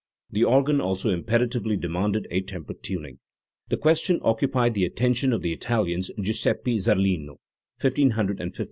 The organ also imperatively demanded a tempered tuning. The question occupied the attention of the Italians Giuseppe Zarlino (1558) and Pietro Aron (1529)*.